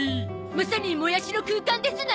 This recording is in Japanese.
まさにもやしの空間ですな！